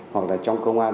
hoặc là trong công an